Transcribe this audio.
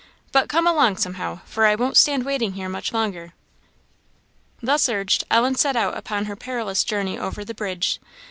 But come along somehow, for I won't stand waiting here much longer." Thus urged, Ellen set out upon her perilous journey over the bridge.